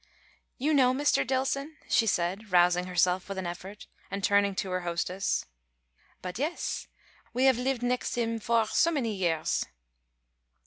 "You know Mr. Dillson?" she said, rousing herself with an effort, and turning to her hostess. "But yes we have lived nex' him for so many yeahs."